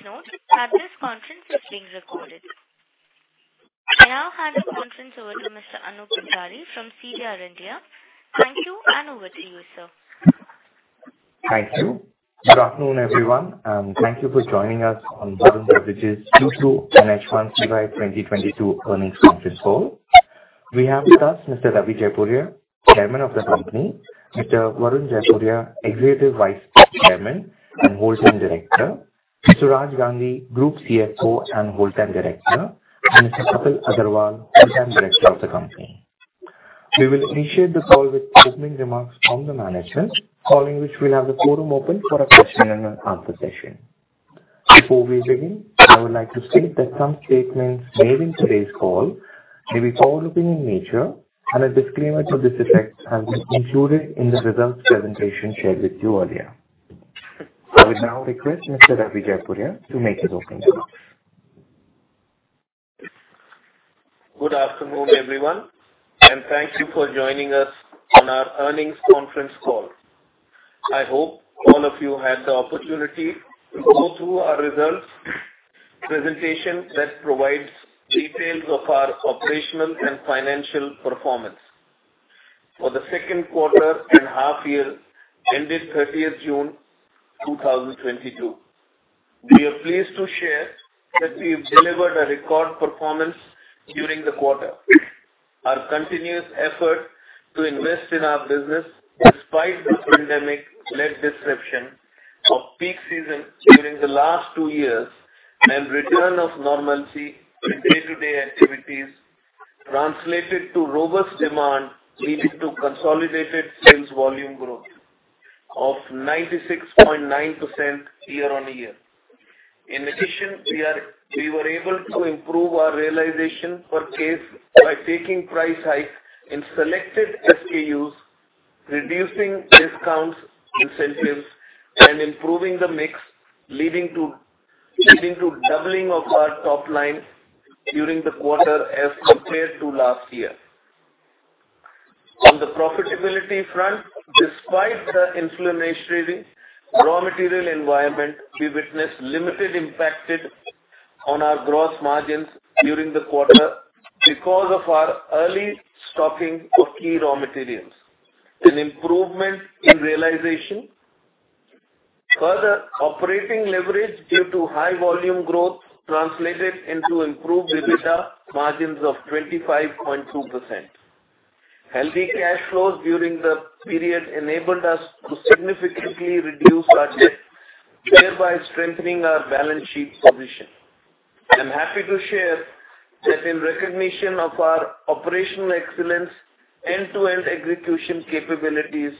Please note that this conference is being recorded. I now hand the conference over to Mr. Anoop Poojari from CDR India. Thank you, and over to you, sir. Thank you. Good afternoon, everyone, and thank you for joining us on Varun Beverages Q2 and H1 FY 2022 earnings conference call. We have with us Mr. Ravi Jaipuria, Chairman of the Company, Mr. Varun Jaipuria, Executive Vice Chairman and Whole Time Director, Mr. Raj Gandhi, Group CFO and Whole Time Director, and Mr. Kapil Agarwal, Whole Time Director of the company. We will initiate the call with opening remarks from the managers, following which we'll have the forum open for a question and an answer session. Before we begin, I would like to state that some statements made in today's call may be forward-looking in nature, and a disclaimer to this effect has been included in the results presentation shared with you earlier. I would now request Mr. Ravi Jaipuria to make his opening remarks. Good afternoon, everyone, and thank you for joining us on our earnings conference call. I hope all of you had the opportunity to go through our results presentation that provides details of our operational and financial performance for the second quarter and half year ended 30th June 2022. We are pleased to share that we've delivered a record performance during the quarter. Our continuous effort to invest in our business despite the pandemic-led disruption of peak season during the last two years and return of normalcy in day-to-day activities translated to robust demand, leading to consolidated sales volume growth of 96.9% year-on-year. In addition, we were able to improve our realization per case by taking price hikes in selected SKUs, reducing discounts, incentives, and improving the mix, leading to doubling of our top line during the quarter as compared to last year. On the profitability front, despite the inflationary raw material environment, we witnessed limited impact on our gross margins during the quarter because of our early stocking of key raw materials and improvement in realization. Further, operating leverage due to high volume growth translated into improved EBITDA margins of 25.2%. Healthy cash flows during the period enabled us to significantly reduce our debt, thereby strengthening our balance sheet position. I'm happy to share that in recognition of our operational excellence, end-to-end execution capabilities,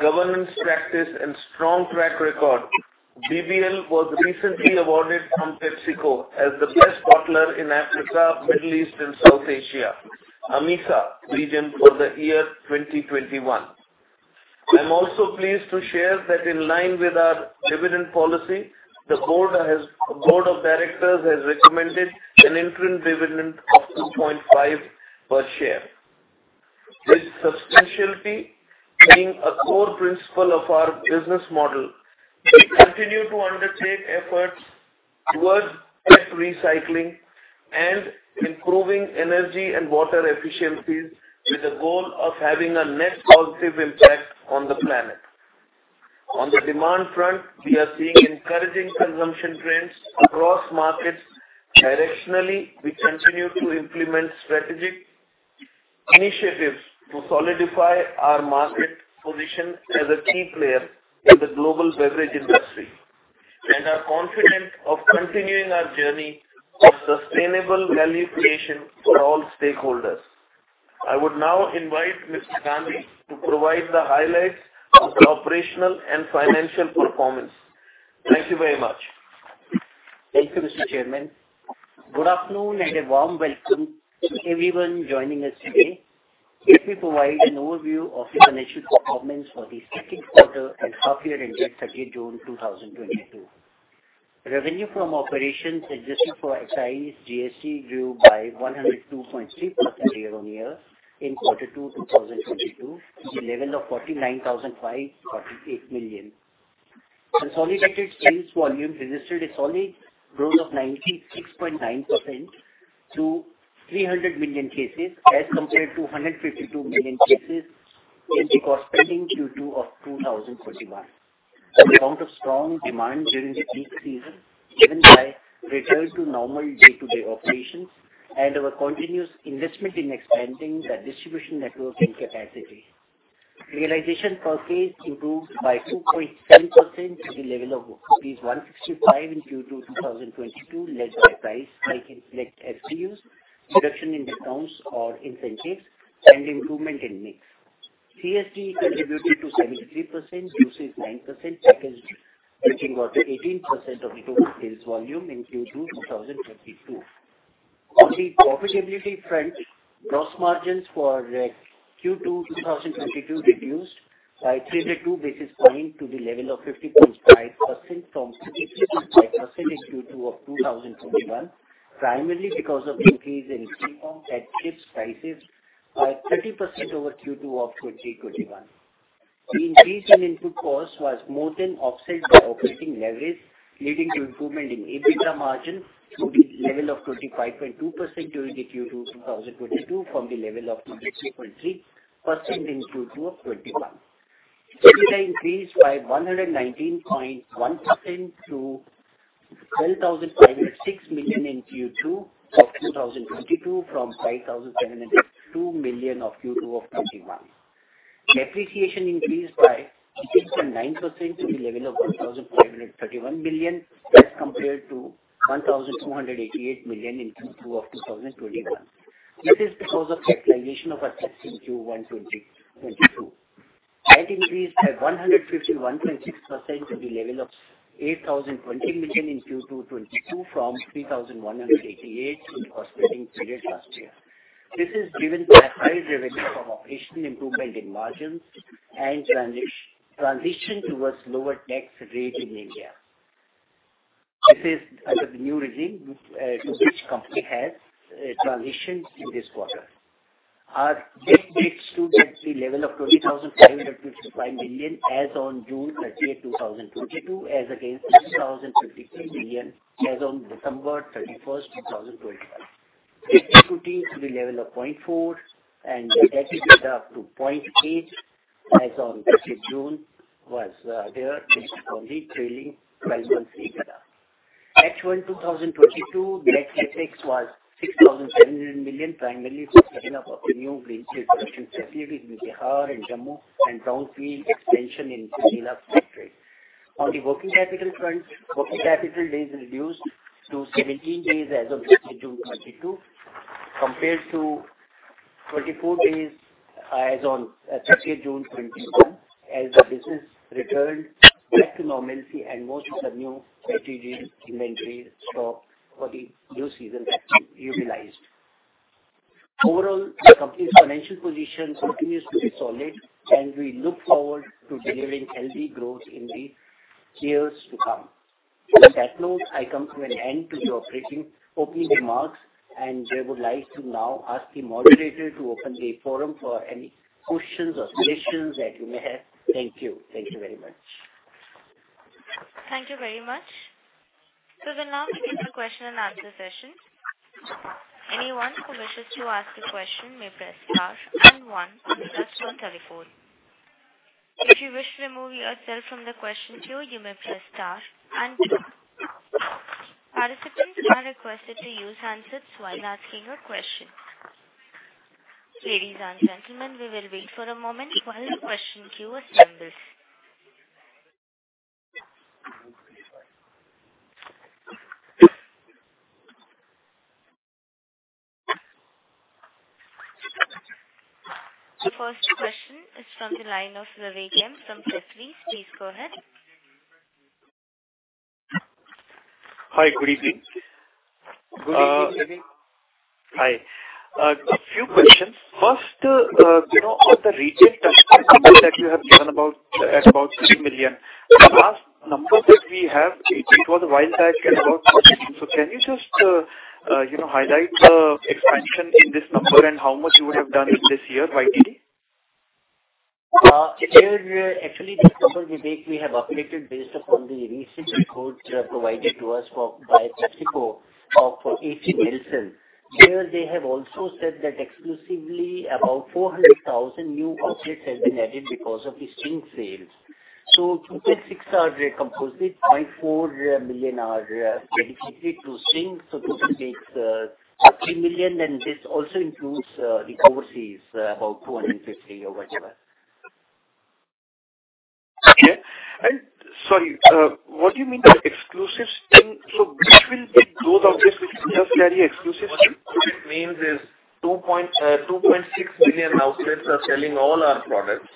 governance practice, and strong track record, VBL was recently awarded from PepsiCo as the best bottler in Africa, Middle East, and South Asia, AMESA region for the year 2021. I'm also pleased to share that in line with our dividend policy, the board of directors has recommended an interim dividend of 2.5 per share. With sustainability being a core principle of our business model, we continue to undertake efforts towards waste recycling and improving energy and water efficiencies with the goal of having a net positive impact on the planet. On the demand front, we are seeing encouraging consumption trends across markets. Directionally, we continue to implement strategic initiatives to solidify our market position as a key player in the global beverage industry and are confident of continuing our journey of sustainable value creation for all stakeholders. I would now invite Mr. Gandhi to provide the highlights of the operational and financial performance. Thank you very much. Thank you, Mr. Chairman. Good afternoon and a warm welcome to everyone joining us today. Let me provide an overview of the financial performance for the second quarter and half year ended June 30, 2022. Revenue from operations adjusted for excise GST grew by 102.3% year-on-year in Q2 2022 to the level of 49,548 million. Consolidated sales volume registered a solid growth of 96.9% to 300 million cases as compared to 152 million cases in the corresponding Q2 of 2021. On account of strong demand during the peak season, driven by return to normal day-to-day operations and our continuous investment in expanding the distribution network and capacity. Realization per case improved by 2.7% to the level of rupees 165 in Q2 2022, led by price hike in select SKUs, reduction in discounts or incentives, and improvement in mix. CSD contributed to 73%, juices 9%, packaged drinking water 18% of the total sales volume in Q2 2022. On the profitability front, gross margins for Q2 2022 reduced by 32 basis points to the level of 50.5% from 62% in Q2 of 2021, primarily because of increase in commodity prices by 30% over Q2 of 2021. The increase in input cost was more than offset by operating leverage, leading to improvement in EBITDA margin to the level of 25.2% during the Q2 2022 from the level of 22.3% in Q2 of 2021. EBITDA increased by 119.1% to 10,506 million in Q2 of 2022 from 5,702 million of Q2 of 2021. Depreciation increased by 69% to the level of 1,531 million as compared to 1,288 million in Q2 of 2021. This is because of capitalization of assets in Q1 2022. IT increased by 151.6% to the level of 8,020 million in Q2 2022 from 3,188 million in the corresponding period last year. This is driven by high revenue from operational improvement in margins and transition towards lower tax rate in India. This is under the new regime to which company has transitioned in this quarter. Our debt reached to the level of 20,555 million rupees as on June 30th, 2022, as against 10,053 million rupees as on December 31st, 2021. Equity to the level of 0.4 and the debt to EBITDA to 0.8 as on June 30 was there based on the trailing twelve months data. H1 2022, the capex was 6,700 million, primarily for setting up of the new greenfield production facility in Bihar and Jammu and territory expansion in Manila territory. On the working capital front, working capital days reduced to 17 days as of June 2, 2022, compared to 24 days as on June 30, 2021 as the business returned back to normalcy and most of the new strategic inventory stock for the new season got utilized. Overall, the company's financial position continues to be solid and we look forward to delivering healthy growth in the years to come. On that note, I come to an end of the opening remarks, and I would like to now ask the moderator to open the forum for any questions or suggestions that you may have. Thank you. Thank you very much. Thank you very much. We'll now begin the question and answer session. Anyone who wishes to ask a question may press star then one on their touchtone telephone. If you wish to remove yourself from the question queue, you may press star and two. Participants are requested to use handsets while asking a question. Ladies and gentlemen, we will wait for a moment while the question queue assembles. The first question is from the line of Vivek Maheshwari from Jefferies. Please go ahead. Hi, good evening. Good evening. Hi. A few questions. First, you know, on the retail touch points that you have given about 3 million. The last numbers that we have, it was a while back at about 1.4 million. Can you just, you know, highlight the expansion in this number and how much you would have done in this year YTD? Here, actually this number we have updated based upon the recent reports provided to us by PepsiCo and Nielsen. Here they have also said that exclusively about 400,000 new outlets have been added because of the Sting sales. Total 6.4 million are dedicated to Sting. This makes 3 million, and this also includes the overseas about 250 or whatever. Sorry, what do you mean by exclusive Sting? Which will be those objects which just carry exclusive Sting? What it means is 2.6 million outlets are selling all our products,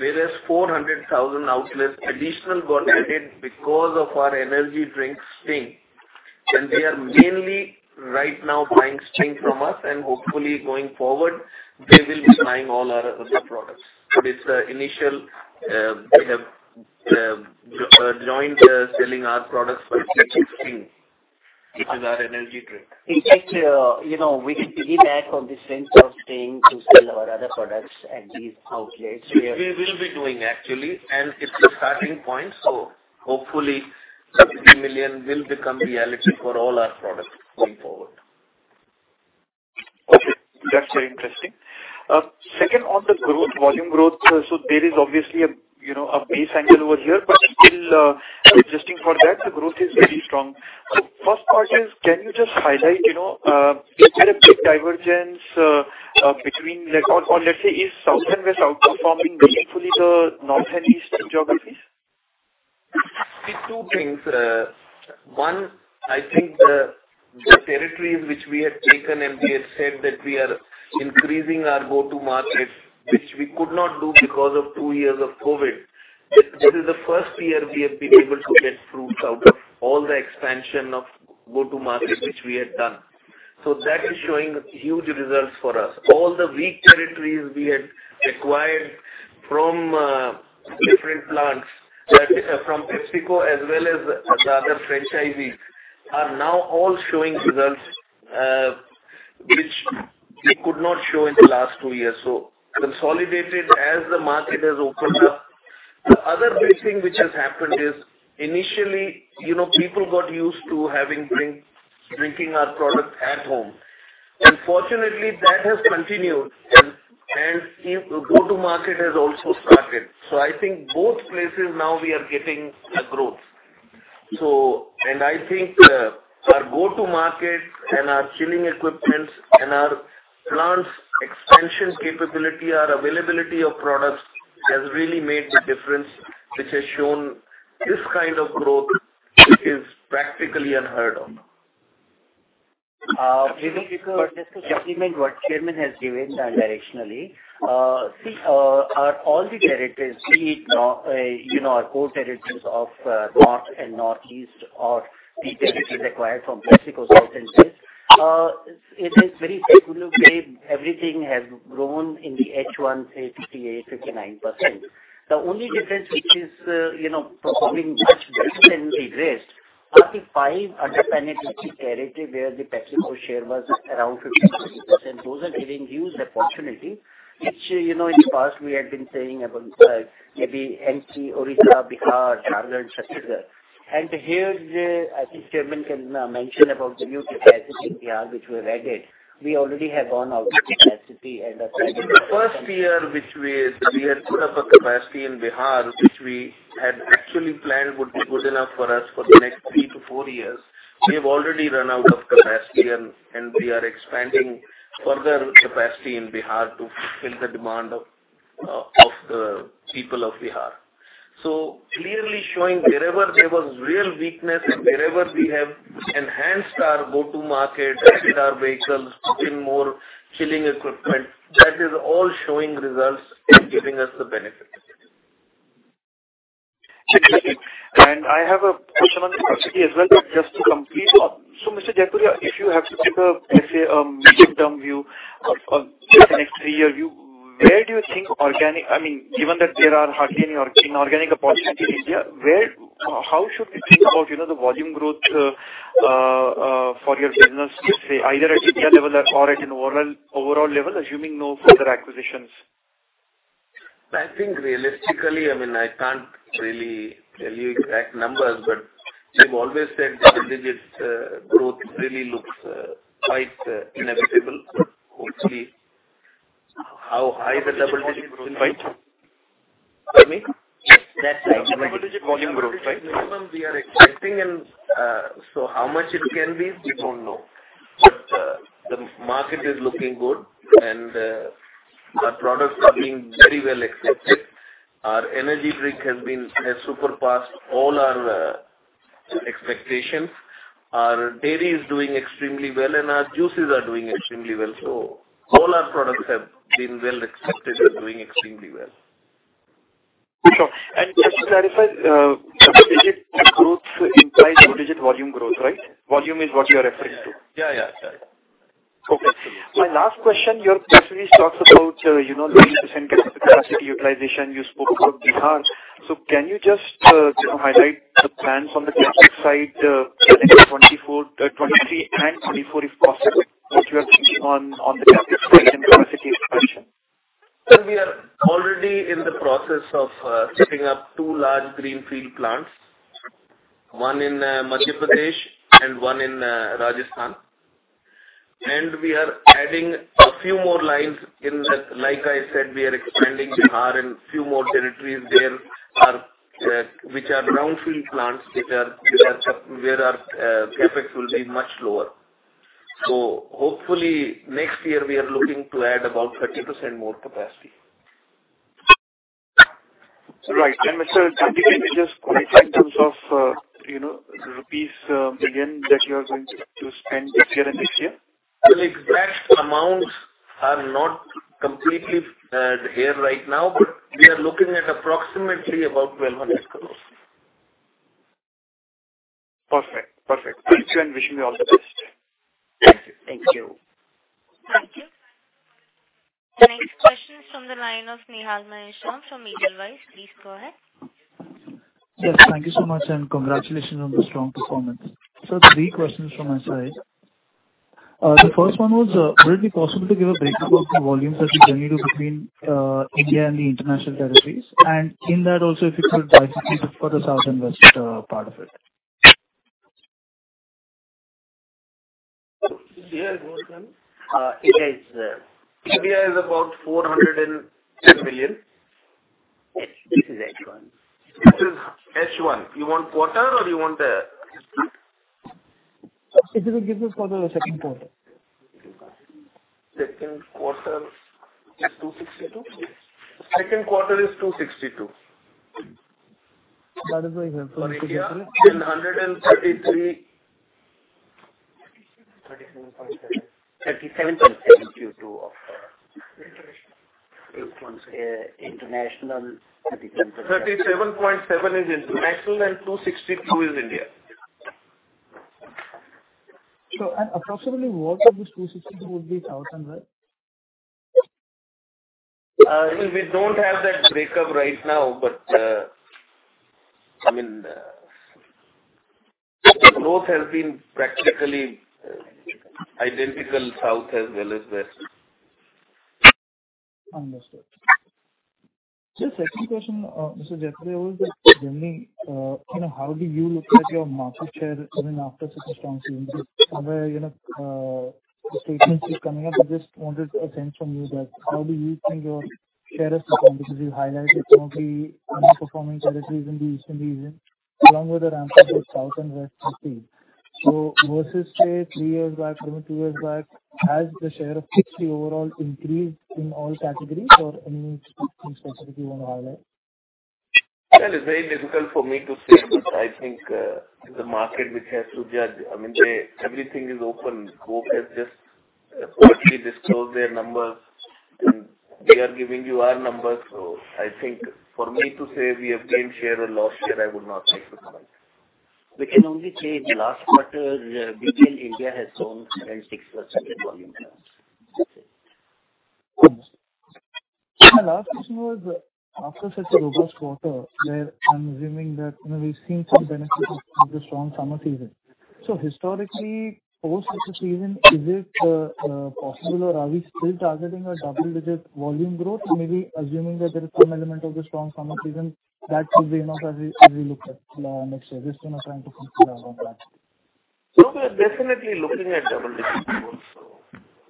whereas 400,000 outlets additional got added because of our energy drink, Sting. They are mainly right now buying Sting from us and hopefully going forward they will be buying all our other products. It's the initial, they have joined selling our products, but it's just Sting, which is our energy drink. In fact, you know, we need to leverage on the strength of Sting to sell our other products at these outlets. We will be doing actually, and it's a starting point, so hopefully the 3 million will become reality for all our products going forward. Okay. That's very interesting. Second, on the growth, volume growth. There is obviously a, you know, a base angle over here, but still, adjusting for that the growth is very strong. First part is can you just highlight, you know, there is a big divergence between, like, or let's say, South and West outperforming meaningfully the North and East geographies? See two things. One, I think the territories which we had taken and we had said that we are increasing our go-to-markets, which we could not do because of two years of COVID. That is the first year we have been able to bear fruit from all the expansion of go-to-markets which we had done. That is showing huge results for us. All the weak territories we had acquired from different plants from PepsiCo as well as the other franchisees are now all showing results. Which we could not show in the last two years. Consolidated as the market has opened up. The other big thing which has happened is initially, you know, people got used to drinking our product at home. Fortunately that has continued and our go-to-market has also started. I think both places now we are getting a growth. I think our go-to-market and our chilling equipment and our plants expansion capability, our availability of products has really made the difference, which has shown this kind of growth which is practically unheard of. Just to supplement what chairman has given directionally. See, all our territories, be it, you know, our core territories of, North and Northeast or the territories acquired from PepsiCo, South and West. It is very secular way. Everything has grown in the H1, say, 58%-59%. The only difference which is, you know, performing much better than the rest are the five underpenetrated territory where the PepsiCo share was around 50%. Those are giving huge opportunity, which, you know, in the past we had been saying about, maybe NC, Odisha, Bihar, Jharkhand, Chhattisgarh. Here the, I think chairman can mention about the new capacity in Bihar, which we've added. We already have gone out of capacity and In the first year, which we had put up a capacity in Bihar, which we had actually planned would be good enough for us for the next three to four years. We have already run out of capacity and we are expanding further capacity in Bihar to fill the demand of the people of Bihar. Clearly showing wherever there was real weakness and wherever we have enhanced our go-to-market, added our vehicles, putting more chilling equipment, that is all showing results and giving us the benefit. Interesting. I have a question on capacity as well. Just to complete. Mr. Jaipuria, if you have to take a, let's say, a medium-term view of just the next three-year view, where do you think, I mean, given that there are hardly any organic opportunity in India, where, how should we think about, you know, the volume growth for your business, say either at India level or at an overall level, assuming no further acquisitions? I think realistically, I mean, I can't really tell you exact numbers, but we've always said double-digit growth really looks quite inevitable. Hopefully how high the double digits go. Pardon me. That's right. Volume growth, right. Minimum we are expecting, and so how much it can be, we don't know. The market is looking good, and our products are being very well accepted. Our energy drink has surpassed all our expectations. Our dairy is doing extremely well and our juices are doing extremely well. All our products have been well accepted and doing extremely well. Sure. Just to clarify, double-digit growth implies double-digit volume growth, right? Volume is what you're referring to. Yeah. Yeah. Yeah. Okay. My last question, your press release talks about, you know, 90% capacity utilization. You spoke about Bihar. Can you just highlight the plans on the CapEx side, calendar 2024, 2023 and 2024 if possible, what you are thinking on the CapEx side and capacity expansion? Well, we are already in the process of setting up two large greenfield plants, one in Madhya Pradesh and one in Rajasthan. We are adding a few more lines. Like I said, we are expanding Bihar and few more territories, there are which are brownfield plants where our CapEx will be much lower. Hopefully next year we are looking to add about 30% more capacity. Right. Mr. Raj Gandhi, can you just quantify in terms of, you know, rupees million that you are going to spend this year and next year? The exact amounts are not completely here right now, but we are looking at approximately about 1,200 crore. Perfect. Thank you, and wishing you all the best. Thank you. Thank you. Next question is from the line of Nihal Jham from Edelweiss. Please go ahead. Yes, thank you so much, and congratulations on the strong performance. Three questions from my side. The first one was, would it be possible to give a breakdown of the volumes that you're selling between, India and the international territories? And in that also, if you could break it for the South and West, part of it. India is what, ma'am? India is. India is about 410 million. This is H1. This is H1. You want quarter or you want... If you could give us quarter or second quarter. Second quarter is 262. That is my example. For India, 233. 37.7. 37.7 Q2 of international. 37.7 is international and 262 is India. Approximately what of this 262 would be South and West? I mean, we don't have that breakup right now, but, I mean, growth has been practically identical South as well as West. Understood. Just second question, Mr. Jaipuria. What is that generally, you know, how do you look at your market share, I mean, after such a strong season where, you know, the statement is coming up, I just wanted a sense from you that how do you think your share has performed because you highlighted some of the underperforming territories in the Eastern region along with the ramp-up of South and West this season. Versus, say, three years back, even two years back, has the share of Pepsi, the overall increased in all categories or any specific you wanna highlight? Well, it's very difficult for me to say, but I think the market which has to judge. I mean, everything is open. Coke has just quarterly disclosed their numbers, and we are giving you our numbers. I think for me to say we have gained share or lost share, I would not like to comment. We can only say last quarter, retail in India has grown 7.6% volume-wise. That's it. Understood. My last question was after such a robust quarter where I'm assuming that, you know, we've seen some benefits of the strong summer season. Historically post such a season, is it possible or are we still targeting a double-digit volume growth, maybe assuming that there is some element of the strong summer season that should be enough as we look at next year? Just, you know, trying to conceptualize on that. We're definitely looking at double-digit growth, so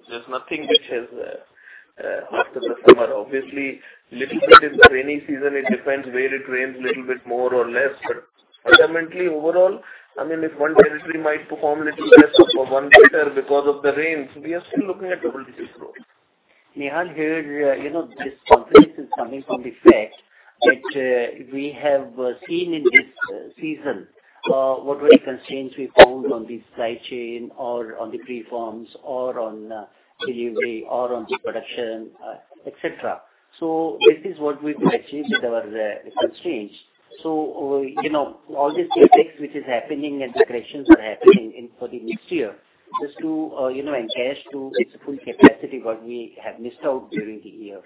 there's nothing which has after the summer. Obviously little bit in the rainy season, it depends where it rains little bit more or less. Fundamentally overall, I mean, if one territory might perform a little less for one quarter because of the rain, we are still looking at double-digit growth. Nehal, here, you know, this confidence is coming from the fact that we have seen in this season what were the constraints we found on the supply chain or on the preforms or on delivery or on the production, etc. This is what we've been achieving with our constraints. You know, all these CapEx which is happening and the creations are happening in for the next year, just to you know, enhance to its full capacity what we have missed out during the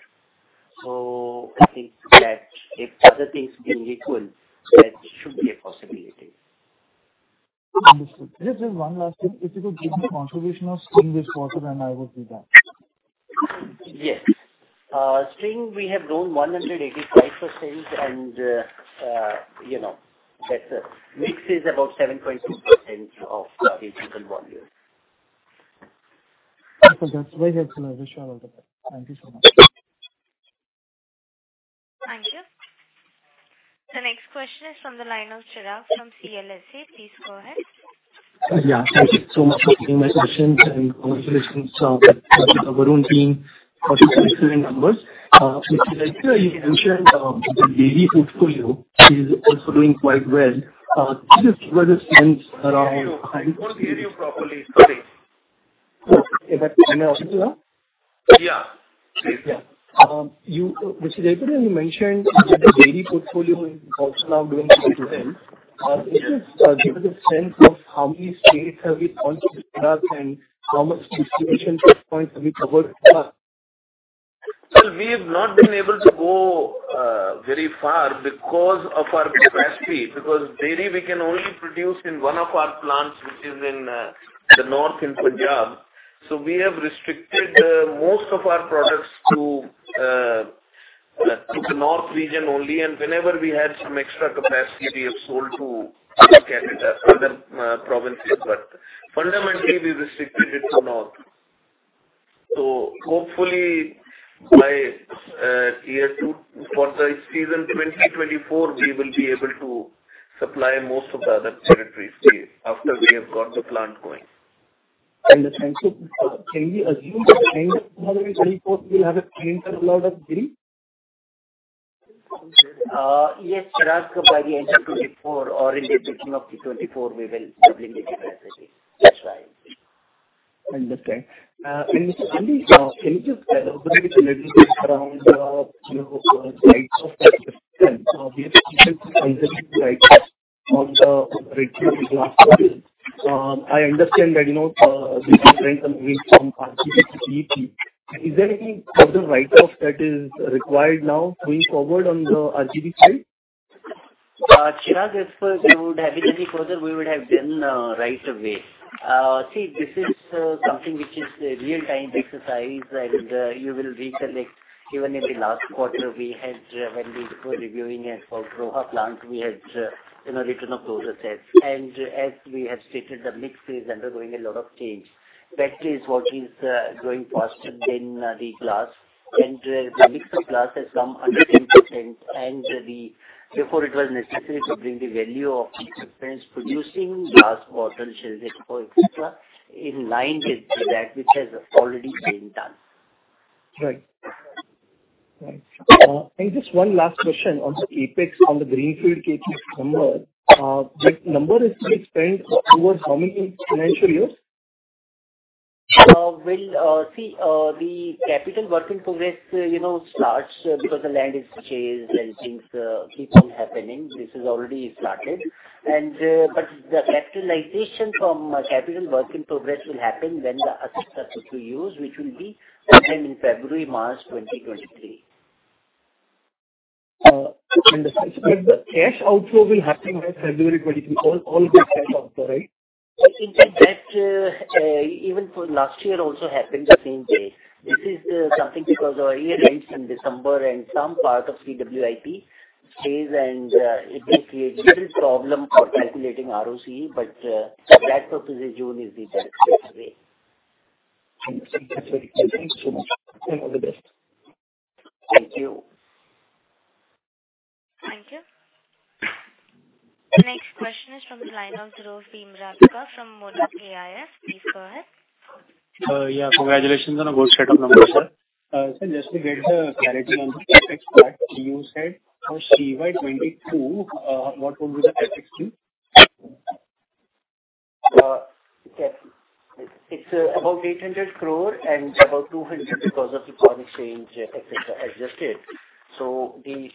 year. I think that if other things being equal, that should be a possibility. Understood. Just one last thing. If you could give me a confirmation of Sting, which quarter it will be back. Yes. Sting we have grown 185% and, you know, that mix is about 7.2% of the total volume. That's very helpful. I wish all of the best. Thank you so much. Thank you. The next question is from the line of Chirag from CLSA. Please go ahead. Yeah, thank you so much for taking my questions and congratulations to Varun team for such excellent numbers. Mr. Jaipuria, you mentioned the dairy portfolio is also doing quite well. Could you just give us a sense around. I can't hear you. I can't hear you properly, sorry. Sorry. Am I audible now? Yeah. Please. Yeah. You, Mr. Jaipuria, you mentioned that the dairy portfolio is also now doing quite well. If you could, give us a sense of how many states have you launched the products and how many distribution touchpoints have you covered thus far? Well, we have not been able to go very far because of our capacity because dairy we can only produce in one of our plants which is in the North in Punjab. We have restricted most of our products to the North region only, and whenever we had some extra capacity we have sold to other provinces. Fundamentally we restricted it to North. Hopefully by year two for the season 2024 we will be able to supply most of the other territories after we have got the plant going. Understood. Can we assume that the annual volume report will have a sustainable load of dairy? Yes, Chirag, by the end of 2024 or in the beginning of 2024 we will double the capacity. That's right. Understood. Mr. Raj Pal Gandhi, can you just elaborate a little bit around, you know, the right-sizing of the business? We have seen some unexpected write-offs on the revenue in the last quarter. I understand that, you know, there's been some gains from RGB to PET. Is there any further write-off that is required now going forward on the RGB side? Chirag, if we would have been any further we would have been right away. See, this is something which is a real-time exercise and you will recollect even in the last quarter, when we were reviewing it for Roha plant, we had you know written off those assets. As we have stated, the mix is undergoing a lot of change. PET is what is growing faster than the glass. The mix of glass has come under 10% and before it was necessary to bring the value of the assets producing glass bottles, chilled water, etc., in line with that which has already been done. Right. Just one last question on the CapEx, on the greenfield CapEx number. That number is to be spent towards how many financial years? Well, see, the capital work in progress, you know, starts because the land is purchased and things keep on happening. This is already started. The capitalization from capital work in progress will happen when the assets are put to use, which will be sometime in February, March 2023. Understood. The cash outflow will happen by February 2023. All the cash outflow, right? I think that, even for last year also happened the same day. This is something because our year ends in December and some part of CWIP stays and, it will create little problem for calculating ROCE, but, for that purpose, June is the best way. Understood. That's very clear. Thanks so much. All the best. Thank you. Thank you. Next question is from the line of Dhruv Bhimrajka from Monarch AIF. Please go ahead. Yeah, congratulations on a good set of numbers, sir. Sir, just to get the clarity on the CapEx part. You said for CY 2022, what would the CapEx be? Yeah. It's about 800 crore and about 200 crore because of the foreign exchange, et cetera, adjusted.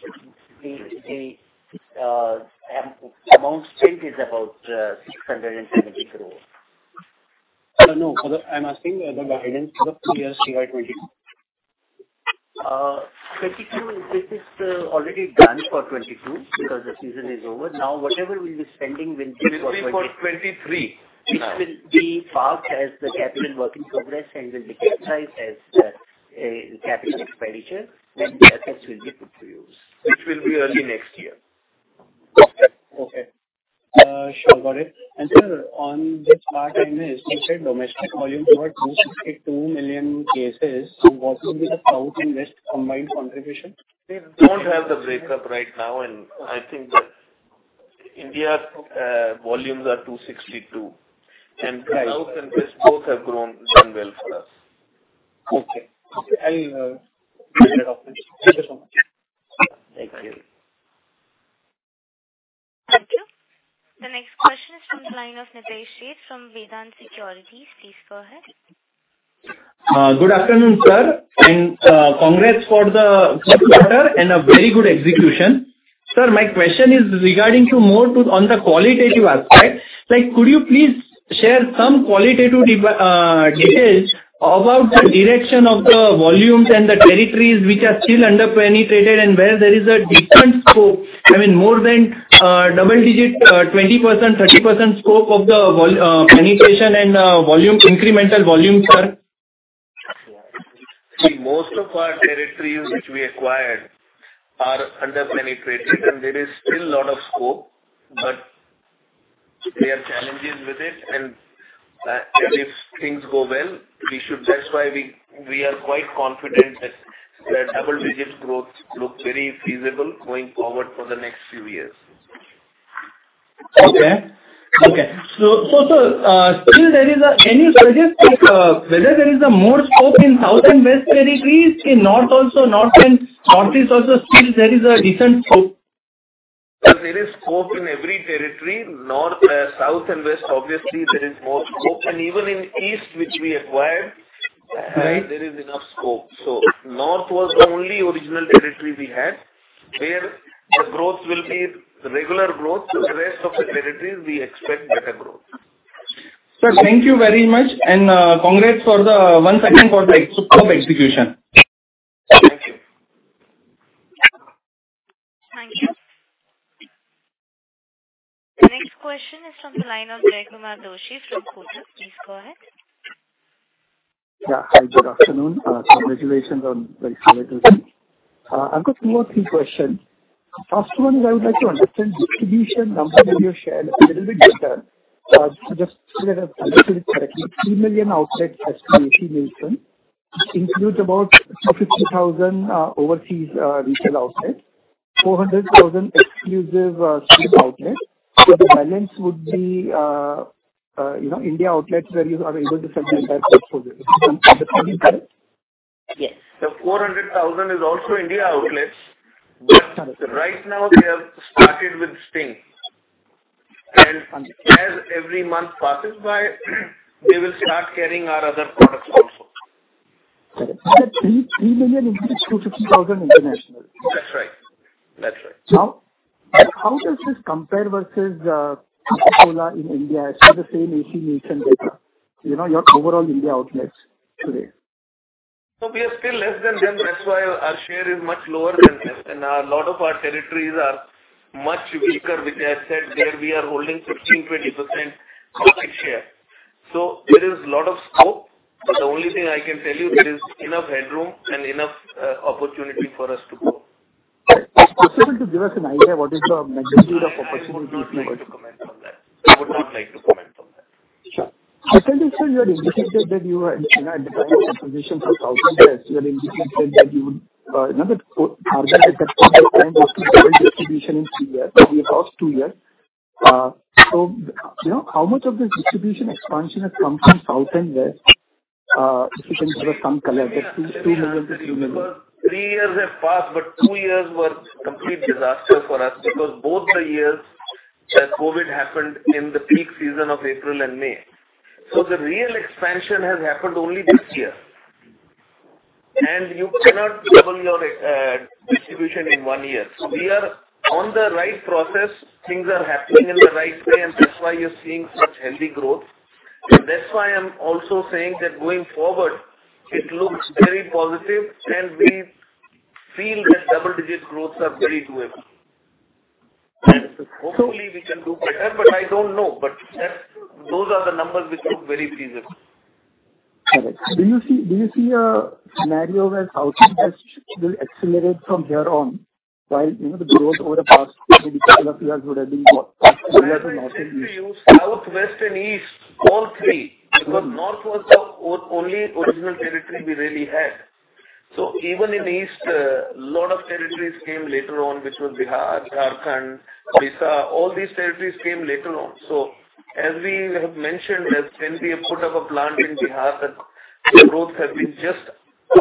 The amount spent is about 620 crore. No. I'm asking the guidance for the full year, CY 2022. 2022, this is already done for 2022 because the season is over. Now, whatever we'll be spending will be for. This will be for 2023. Which will be parked as the capital work in progress and will be capitalized as a capital expenditure when the assets will be put to use. Which will be early next year. Okay. Sure. Got it. Sir, on this part, I missed. You said domestic volume grew at 262 million cases. What will be the South and West combined contribution? We don't have the breakup right now, and I think that India's volumes are 262. South and West both have grown and done well for us. Okay. I'll follow it up. Thank you so much. Thank you. Thank you. The next question is from the line of Nitesh Seth form Vedant Securities. Please go ahead. Good afternoon, sir, and congrats for the good quarter and a very good execution. Sir, my question is regarding more on the qualitative aspect. Like, could you please share some qualitative details about the direction of the volumes and the territories which are still under-penetrated and where there is a definite scope, I mean, more than double-digit, 20%, 30% scope of the penetration and volume, incremental volume, sir? See, most of our territories which we acquired are under-penetrated, and there is still a lot of scope, but there are challenges with it. If things go well. That's why we are quite confident that the double-digit growth looks very feasible going forward for the next few years. Sir, still there is any suggestion, like, whether there is more scope in South and West territories? In North and Northeast also still there is a different scope? There is scope in every territory. North, South and West, obviously there is more scope. Even in East, which we acquired, there is enough scope. North was the only original territory we had, where the growth will be the regular growth. The rest of the territories we expect better growth. Sir, thank you very much, and congrats once again for the scope execution. Thank you. Thank you. The next question is from the line of Jaykumar Doshi from Kotak. Please go ahead. Yeah. Hi, good afternoon. Congratulations on the great results. I've got two or three questions. First one is I would like to understand distribution numbers that you have shared a little bit better. Just to get a little bit correctly, 3 million outlets as you mentioned includes about 250,000 overseas retail outlets, 400,000 exclusive Sting outlets. So the balance would be, you know, India outlets where you are able to sell the entire portfolio. Am I understanding correct? Yes. The 400,000 is also Indian outlets. Got it. Right now they have started with Sting. Understood. As every month passes by, they will start carrying our other products also. Got it. INR 3.3 million includes INR 250,000 international? That's right. That's right. How does this compare versus Coca-Cola in India? as per the same data. You know, your overall India outlets today. We are still less than them. That's why our share is much lower than this. A lot of our territories are much weaker which I said there we are holding 15%-20% market share. There is lot of scope. The only thing I can tell you, there is enough headroom and enough opportunity for us to grow. Is it possible to give us an idea what is the magnitude of opportunity if you would? I would not like to comment on that. Sure. Secondly, sir, you had indicated that you were, you know, at the time of acquisition for South and West, you had indicated that you would remember target at that point of time was to double distribution in 3 years. We have passed 2 years. You know, how much of this distribution expansion has come from South and West? If you can give us some color, 2 million-3 million. Three years have passed, but two years were complete disaster for us because both the years, COVID happened in the peak season of April and May. The real expansion has happened only this year. You cannot double your distribution in one year. We are on the right process. Things are happening in the right way, and that's why you're seeing such healthy growth. That's why I'm also saying that going forward, it looks very positive and we feel that double-digit growths are very doable. Hopefully we can do better, but I don't know. But that's those are the numbers which look very feasible. All right. Do you see a scenario where outlet will accelerate from here on? While, you know, the growth over the past maybe couple of years would have been more South, west, and east, all three. Because north was the only original territory we really had. Even in east, a lot of territories came later on, which was Bihar, Jharkhand, Orissa, all these territories came later on. As we have mentioned, as when we have put up a plant in Bihar, the growth has been just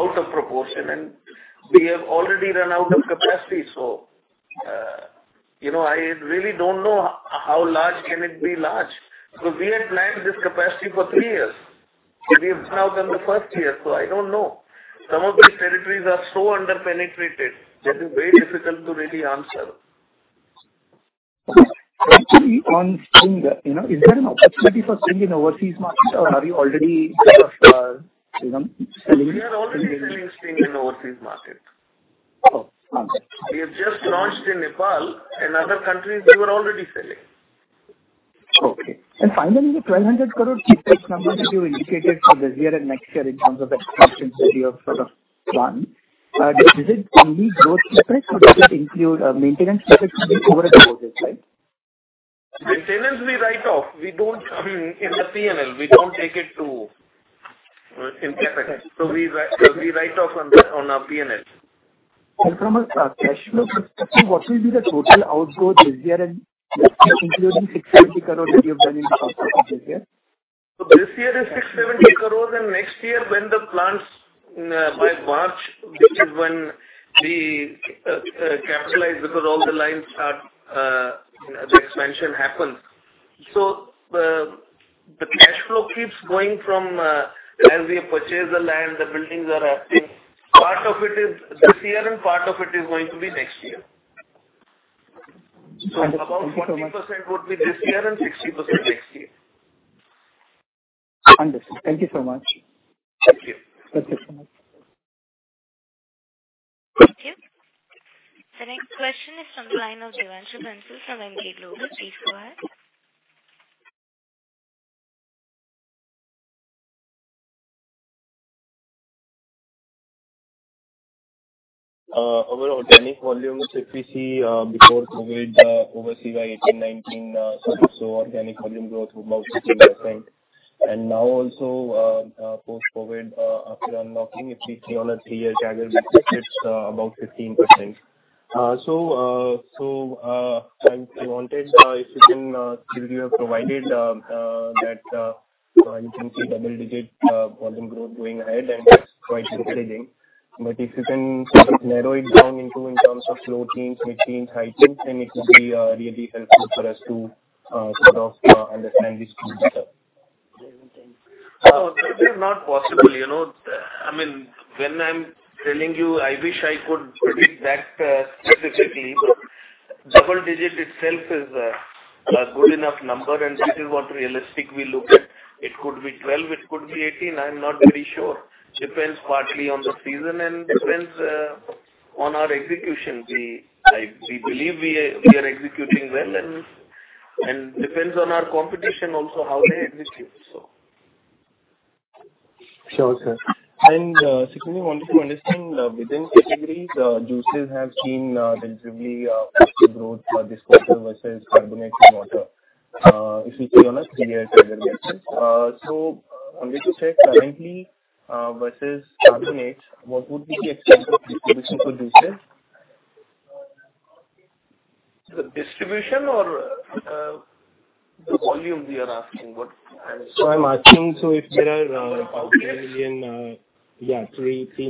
out of proportion. We have already run out of capacity. You know, I really don't know how large it can be. We had planned this capacity for three years. We've run out on the first year, so I don't know. Some of these territories are so under-penetrated that is very difficult to really answer. Actually, on Sting, you know, is there an opportunity for Sting in overseas market or are you already, you know, selling? We are already selling Sting in overseas market. Oh, okay. We have just launched in Nepal. In other countries we were already selling. Okay. Finally, the 1,200 crore CapEx number that you indicated for this year and next year in terms of expansion that you have sort of planned, does it only growth CapEx or does it include maintenance CapEx over and above this, right? Maintenance we write off. We don't in the P&L. We don't take it to in CapEx. We write off on our P&L. From a cash flow perspective, what will be the total outgo this year and next year including 670 crore that you have done in the first half of this year? This year is 670 crore, and next year when the plants by March, which is when we capitalize because all the lines start, you know, the expansion happens. The cash flow keeps going from as we purchase the land, the buildings are happening. Part of it is this year and part of it is going to be next year. About 40% would be this year and 60% next year. Understood. Thank you so much. Thank you. Thank you so much. Thank you. The next question is from the line of Devanshu Bansal from Emkay Global. Please go ahead. Overall organic volumes, if we see before COVID overseas by 2018-2019, so organic volume growth was about 16%. Now also post-COVID after unlocking, if we see on a three-year CAGR basis, it's about 15%. So, I wanted, if you can since you have provided that you can see double-digit volume growth going ahead and it's quite encouraging. If you can sort of narrow it down into in terms of low teens, mid-teens, high teens, then it would be really helpful for us to sort of understand this growth better. It is not possible, you know. I mean, when I'm telling you I wish I could predict that specifically, but double digit itself is a good enough number, and this is what realistic we look at. It could be 12, it could be 18, I'm not very sure. Depends partly on the season and depends on our execution. We believe we are executing well, and depends on our competition also, how they execute. Sure, sir. Secondly wanted to understand, within categories, juices have seen relatively positive growth for this quarter versus carbonated water. If we see on a three-year CAGR basis, wanted to check currently versus carbonates, what would be the extent of distribution for juices? The distribution or, the volume we are asking, what I'm asking, if there are about 3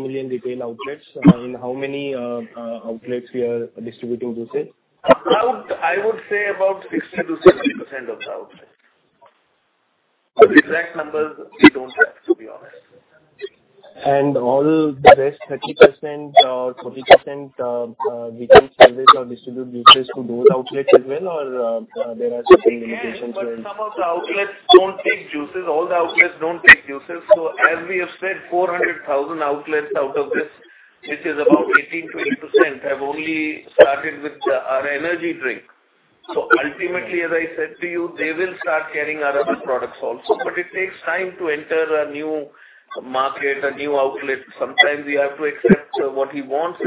million retail outlets, in how many outlets we are distributing juices? I would say about 60%-70% of the outlets. The exact numbers we don't have, to be honest. All the rest, 30%, 40%, we can service or distribute juices to those outlets as well, or there are certain limitations where. Yes, some of the outlets don't take juices. All the outlets don't take juices. As we have said, 400,000 outlets out of this, which is about 18%-20%, have only started with our energy drink. Ultimately, as I said to you, they will start carrying our other products also. It takes time to enter a new market, a new outlet. Sometimes we have to accept what he wants.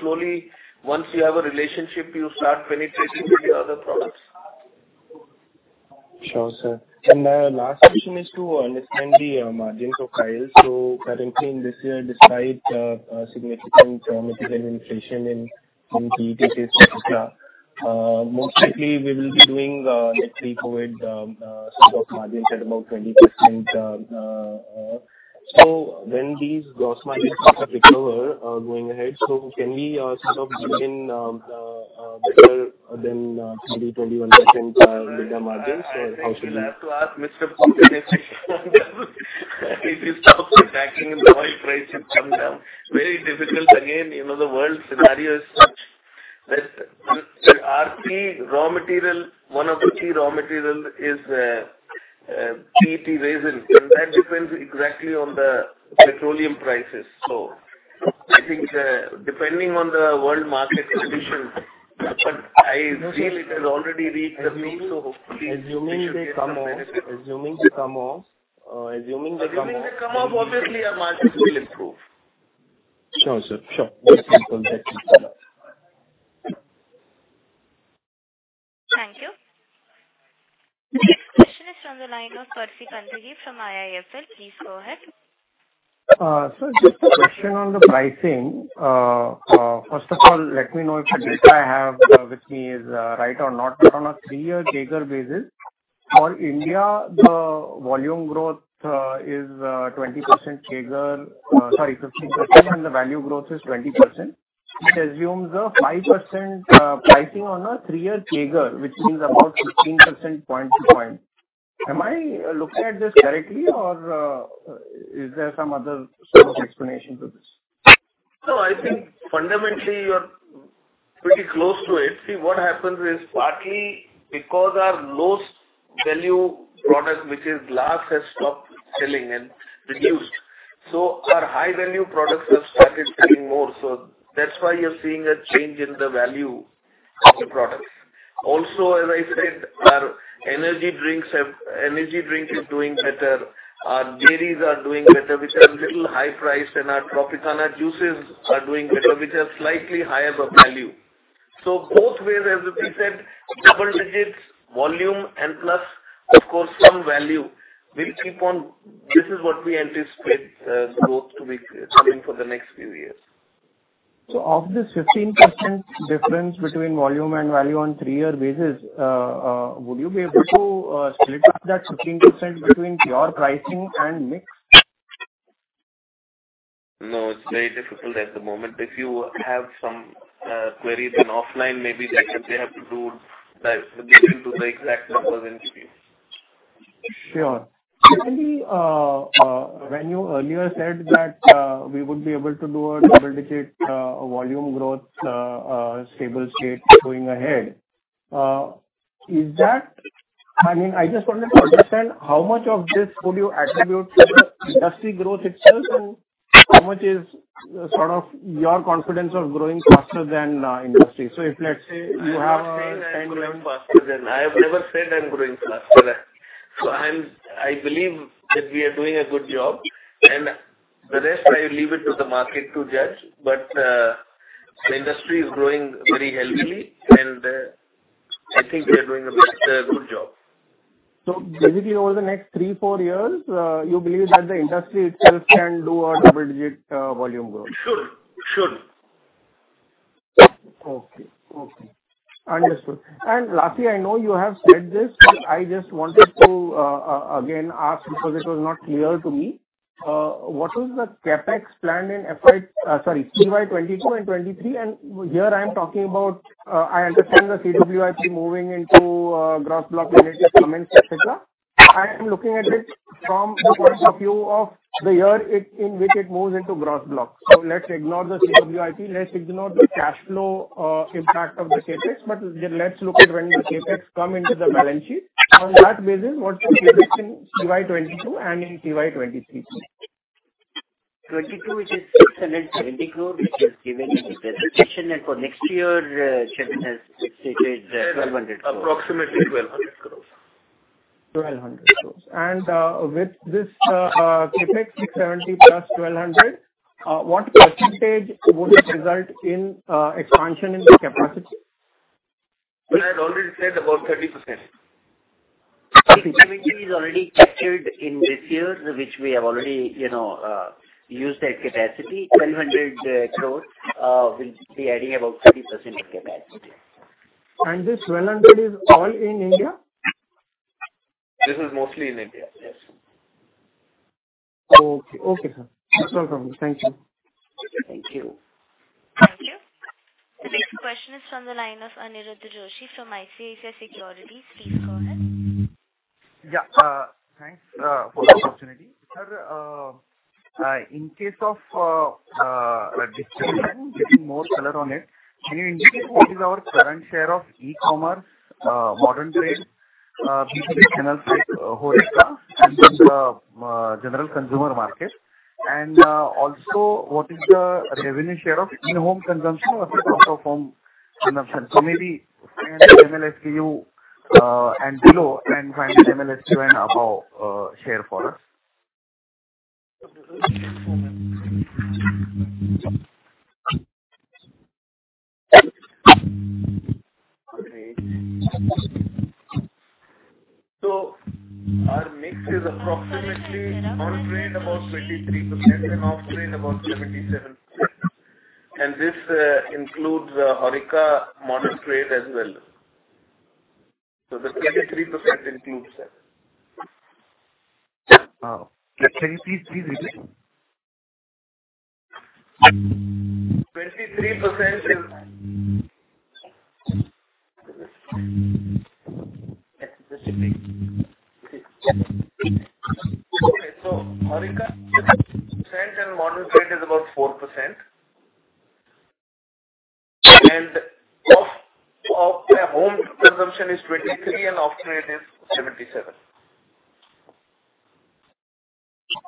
Slowly, once you have a relationship, you start penetrating with your other products. Sure, sir. Last question is to understand the margins of Kerala. Currently in this year, despite significant material inflation in PET cases, et cetera, most likely we will be doing, let's say, COVID sort of margins at about 20%. When these gross margins start to recover going ahead, can we sort of give in better than 21% EBITDA margins or how should we? I think you'll have to ask Mr. If he stops packing and the oil price should come down. Very difficult. Again, you know, the world scenario is such that key raw material, one of the key raw material is PET resin, and that depends exactly on the petroleum prices. I think, depending on the world market conditions, but I feel it has already reached the peak, so hopefully it should get better. Assuming they come off. Assuming they come off, obviously our margins will improve. Sure, sir. Sure. Thank you. The next question is from the line of Percy Panthaki from IIFL. Please go ahead. Just a question on the pricing. First of all, let me know if the data I have with me is right or not. On a three-year CAGR basis, for India, the volume growth is 20% CAGR. Sorry, 15%, and the value growth is 20%. It assumes a 5% pricing on a three-year CAGR, which means about 15 percentage points point to point. Am I looking at this correctly or is there some other sort of explanation to this? No, I think fundamentally you are pretty close to it. See, what happens is partly because our lowest value product, which is glass, has stopped selling and reduced. Our high-value products have started selling more, so that's why you're seeing a change in the value of the products. Also, as I said, our energy drinks are doing better. Our dairies are doing better, which are little high priced, and our Tropicana juices are doing better, which are slightly higher of value. Both ways, as we said, double digits, volume and plus of course some value. We'll keep on. This is what we anticipate the growth to be coming for the next few years. Of this 15% difference between volume and value on three-year basis, would you be able to split up that 15% between pure pricing and mix? No, it's very difficult at the moment. If you have some queries offline, maybe they have to dive deep into the exact numbers and see. Sure. When you earlier said that we would be able to do a double-digit volume growth stable state going ahead, is that? I mean, I just wanted to understand how much of this would you attribute to the industry growth itself and how much is sort of your confidence of growing faster than industry? If let's say you have a ten-year- I have never said I'm growing faster. I believe that we are doing a good job, and the rest I leave it to the market to judge. The industry is growing very healthily and I think we are doing a bit, a good job. Basically over the next three, four years, you believe that the industry itself can do double-digit volume growth? It should. Okay. Understood. Lastly, I know you have said this. I just wanted to again ask because it was not clear to me. What is the CapEx plan in CY 2022 and 2023? Here I am talking about, I understand the CWIP moving into gross block related permits, et cetera. I am looking at it from the point of view of the year in which it moves into gross blocks. Let's ignore the CWIP. Let's ignore the cash flow impact of the CapEx. Let's look at when the CapEx come into the balance sheet. On that basis, what's your CapEx in CY 2022 and in CY 2023? 2022, it is 670 crore, which was given in the presentation. For next year, Chetan has estimated 1,200 crore. Approximately 1,200 crore. 1,200 crores. With this CapEx, 670 plus 1,200, what percentage would it result in expansion in the capacity? We have already said about 30%. 30% is already captured in this year, which we have already, you know, used that capacity. 1,200 crore will be adding about 30% of capacity. This 1,200 is all in India? This is mostly in India, yes. Okay. Okay, sir. No problem. Thank you. Thank you. Thank you. The next question is from the line of Aniruddha Joshi from ICICI Securities. Please go ahead. Yeah. Thanks for the opportunity. Sir, in case of distribution, giving more color on it, can you indicate what is our current share of e-commerce, modern trade, B2B channel like HoReCa and then the general consumer market? Also, what is the revenue share of in-home consumption versus out-of-home consumption? Maybe 10 ml SKU and below and 10 ml SKU and above share for us. Our mix is approximately on-trade about 23% and off-trade about 77%. This includes HoReCa modern trade as well. The 23% includes that. Wow. Sorry, please repeat. 23%- Yes, the same. Okay. HoReCa is about 2% and modern trade is about 4%. Of the home consumption is 23% and off-trade is 77%.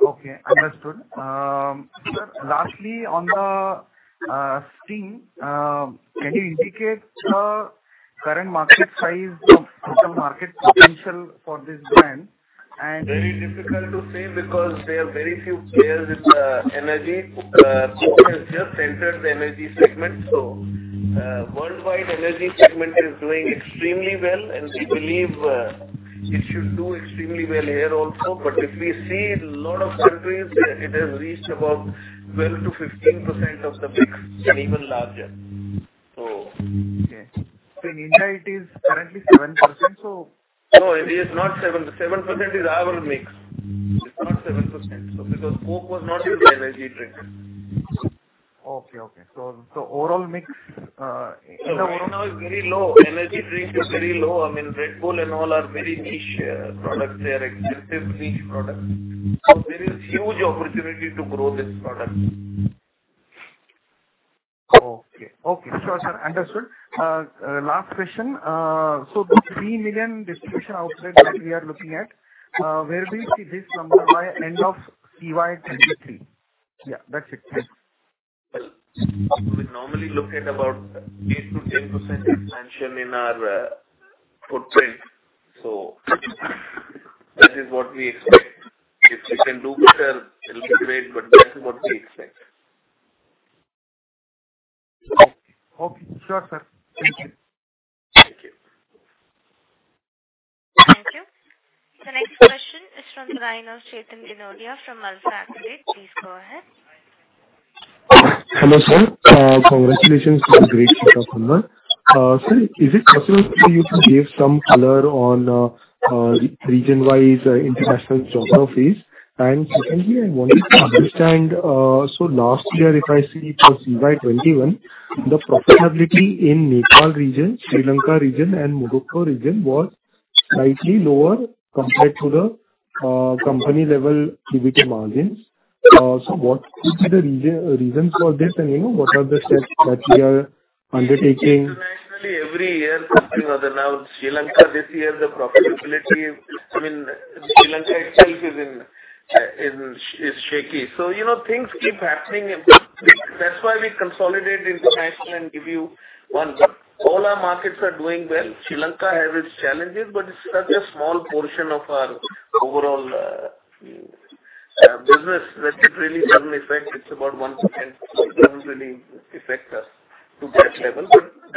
Okay, understood. Sir, lastly, on the Sting, can you indicate the current market size of total market potential for this brand and? Very difficult to say because there are very few players in the energy. Coke has just entered the energy segment. Worldwide energy segment is doing extremely well, and we believe it should do extremely well here also. If we see in a lot of countries, it has reached about 12%-15% of the mix and even larger. In India it is currently 7%. No, it is not 7. 7% is our mix. It's not 7%. Because Coke was not doing the energy drink. Okay. Overall mix, in- No, no, it's very low. Energy drinks are very low. I mean, Red Bull and all are very niche, products. They are expensive niche products. There is huge opportunity to grow this product. Okay. Sure, sir. Understood. Last question. Those 3 million distribution outlets that we are looking at, where do you see this number by end of CY 2023? Yeah, that's it. Thanks. Well, we normally look at about 8%-10% expansion in our footprint. That is what we expect. If we can do better, it'll be great, but that is what we expect. Okay. Sure, sir. Thank you. Thank you. Thank you. The next question is from the line of Chetan Gindodia from AlfAccurate Advisors. Please go ahead. Hello, sir. Congratulations on the great set of numbers. Sir, is it possible for you to give some color on region-wise international geographies? Secondly, I wanted to understand, so last year if I see for CY 2021, the profitability in Nepal region, Sri Lanka region, and Morocco region was slightly lower compared to the company level EBITDA margins. What could be the reason for this, and you know, what are the steps that we are undertaking? Internationally every year something or other. Now Sri Lanka this year the profitability, I mean, Sri Lanka itself is shaky. You know, things keep happening. That's why we consolidate international and give you one number. All our markets are doing well. Sri Lanka has its challenges, but it's such a small portion of our overall business that it really doesn't affect. It's about 1%, so it doesn't really affect us to that level.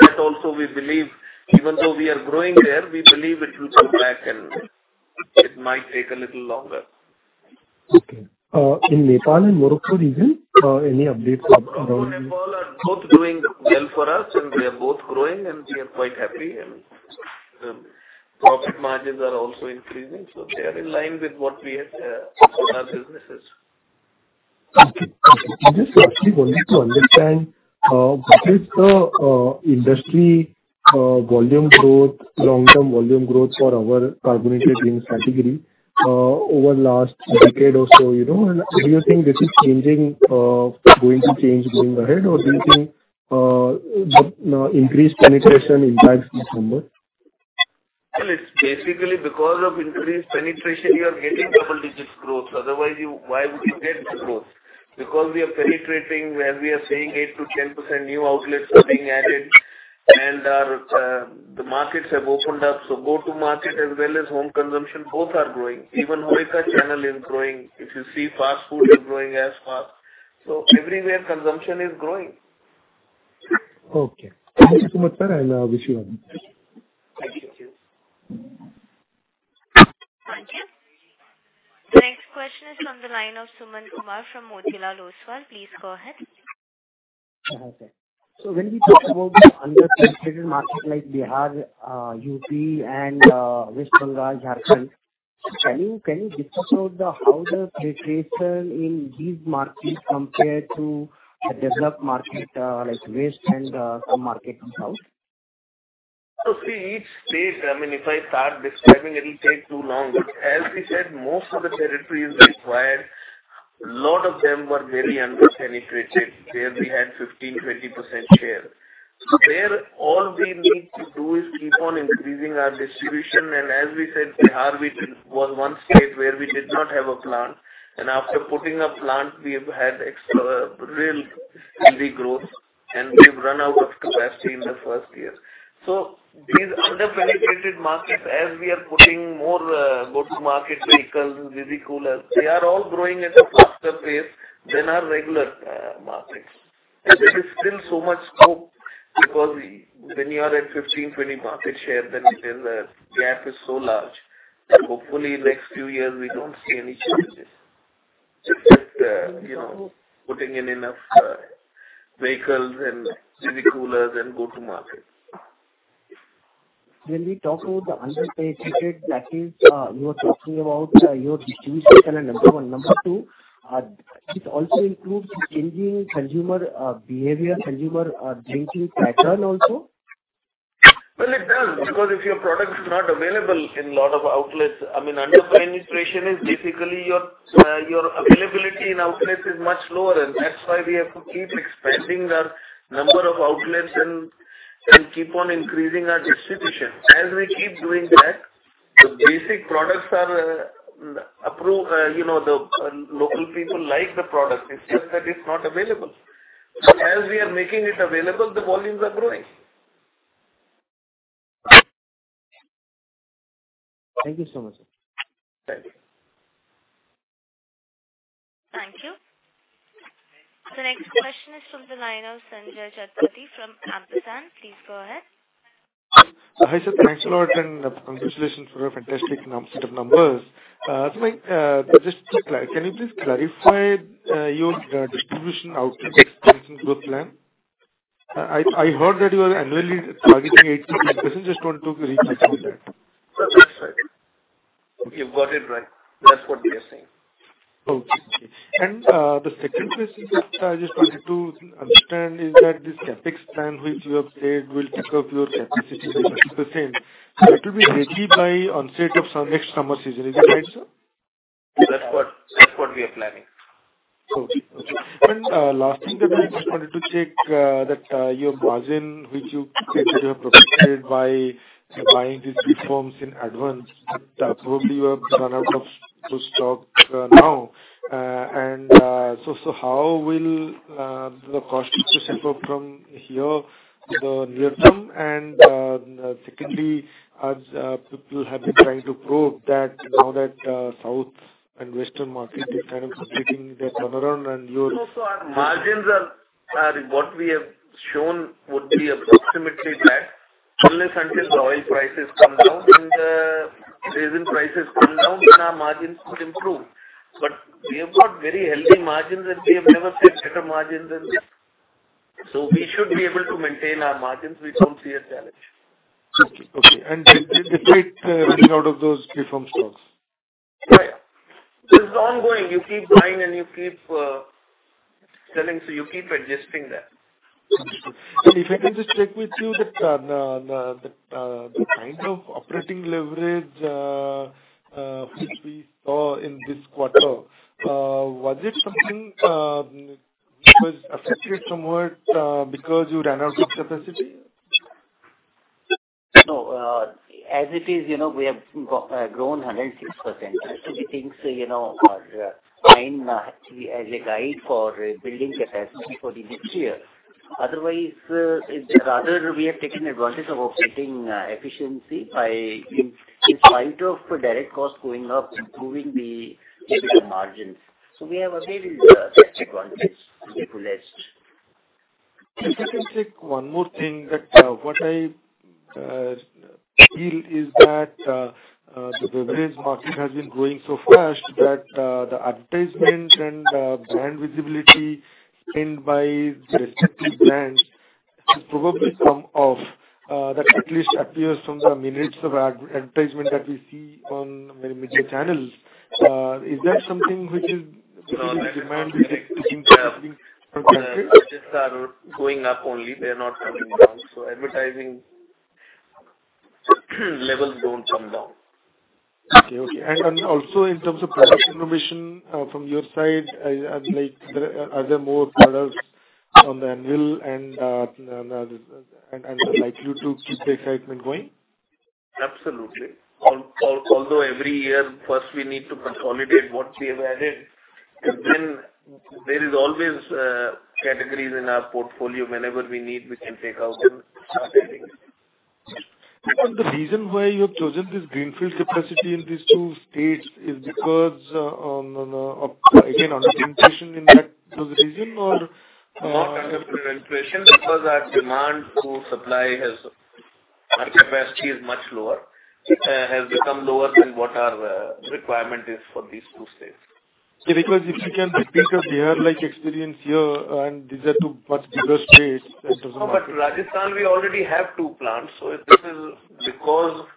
That also we believe even though we are growing there, we believe it will come back and it might take a little longer. Okay. In Nepal and Morocco region, any updates around. Nepal is doing well for us and we are growing and we are quite happy, and profit margins are also increasing, so they are in line with what we had for our businesses. Okay. I just actually wanted to understand what is the industry volume growth, long-term volume growth for our carbonated drinks category over last decade or so, you know? Do you think this is changing going to change going ahead or do you think the increased penetration impacts this number? Well, it's basically because of increased penetration you are getting double digits growth. Otherwise you, why would you get the growth? Because we are penetrating where we are saying 8%-10% new outlets are being added and our the markets have opened up. Go-to-market as well as home consumption, both are growing. Even HoReCa channel is growing. If you see fast food is growing as fast. Everywhere consumption is growing. Okay. Thank you so much, sir, and I wish you all the best. Thank you. Thank you. The next question is on the line of Sumant Kumar from Motilal Oswal. Please go ahead. When we talk about the underpenetrated market like Bihar, UP and West Bengal, Jharkhand, can you discuss about how the penetration in these markets compare to a developed market like West and some markets in South? You see each state, I mean, if I start describing it'll take too long. As we said, most of the territories we acquired, a lot of them were very underpenetrated where we had 15, 20% share. There all we need to do is keep on increasing our distribution and as we said, Bihar was one state where we did not have a plant. After putting a plant, we've had extra, real heavy growth and we've run out of capacity in the first year. These underpenetrated markets, as we are putting more, go-to-market vehicles and Visi-coolers, they are all growing at a faster pace than our regular, markets. There is still so much scope because we, when you are at 15%-20% market share, then it is, gap is so large that hopefully next few years we don't see any shortages. Just, you know, putting in enough, vehicles and Visi-coolers and go to market. When we talk about the underpenetrated package, you are talking about your distribution and number one. Number two, it also includes changing consumer behavior, consumer drinking pattern also. Well, it does, because if your product is not available in lot of outlets, I mean, under penetration is basically your availability in outlets is much lower, and that's why we have to keep expanding our number of outlets and keep on increasing our distribution. As we keep doing that, the basic products are, you know, the local people like the product. It's just that it's not available. So as we are making it available, the volumes are growing. Thank you so much, sir. Thank you. Thank you. The next question is from the line of Sanjay Satapathy from Ampersand Capital. Please go ahead. Hi, sir. Thanks a lot, and congratulations for a fantastic set of numbers. Just to clarify, can you please clarify your distribution outlet expansion growth plan? I heard that you are annually targeting 18%-20%. Just wanted to re-check with that. That's right. You've got it right. That's what we are saying. Okay. The second question, sir, I just wanted to understand is that this CapEx plan which you have said will take up your capacity to 60%, so it will be ready by onset of next summer season. Is that right, sir? That's what we are planning. Okay. Last thing that I just wanted to check, that your margin which you said you have protected by buying these preforms in advance, that probably you have run out of your stock now. So how will the costs shoot up from here in the near term? Secondly, as people have been trying to prove that now that south and western market is kind of completing the turnaround and your- No. Our margins are what we have shown would be approximately that. Until the oil prices come down and resin prices come down, then our margins could improve. We have got very healthy margins, and we have never seen better margins than this. We should be able to maintain our margins. We don't see a challenge. Despite running out of those preform stocks? Yeah. This is ongoing. You keep buying and you keep selling, so you keep adjusting that. Understood. If I can just check with you that the kind of operating leverage which we saw in this quarter was it something which was affected somewhat because you ran out of capacity? No, as it is, you know, we have grown 106%. Actually things, you know, are fine, actually as a guide for building capacity for the next year. Otherwise, it's rather we have taken advantage of operating efficiency in spite of direct costs going up, improving the EBITDA margins. We have availed such advantage to the fullest. If I can check one more thing that what I feel is that the beverage market has been growing so fast that the advertisements and brand visibility gained by the respective brands has probably come off. That at least appears from the minutes of advertisement that we see on many media channels. Is that something which is reminding. Budgets are going up only. They're not coming down. Advertising levels don't come down. Okay. Also in terms of product innovation, from your side, I'd like, are there more colors on the anvil and likely to keep the excitement going? Absolutely. Although every year first we need to consolidate what we have added, but then there is always categories in our portfolio. Whenever we need, we can take out and start selling. The reason why you have chosen this greenfield capacity in these two states is because, again, under penetration in that particular region or Not under penetration. Because our capacity is much lower, has become lower than what our requirement is for these two states. Okay. Because if you can repeat a Bihar-like experience here, and these are two much bigger states. Rajasthan we already have two plants. This is because